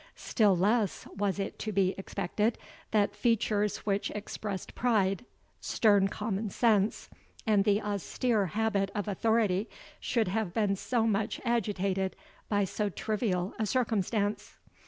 Still less was it to be expected, that features which expressed pride, stern common sense, and the austere habit of authority, should have been so much agitated by so trivial a circumstance.